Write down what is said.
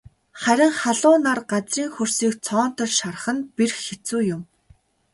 Харин халуун нар газрын хөрсийг цоонотол шарах нь бэрх хэцүү юм.